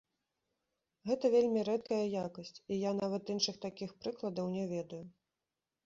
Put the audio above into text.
Гэта вельмі рэдкая якасць, і я нават іншых такіх прыкладаў не ведаю.